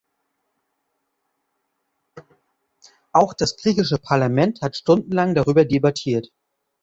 Auch das griechische Parlament hat stundenlang darüber debattiert.